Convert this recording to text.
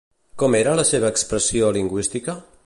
Com era la seva expressió lingüística?